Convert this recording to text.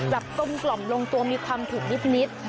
แบบตมกล่อมลงตัวมีความถุงนิด